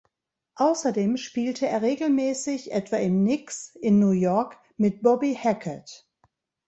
Außerdem spielte er regelmäßig etwa im „Nick´s“ in New York mit Bobby Hackett.